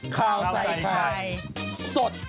ข่าวใส่ไข่สด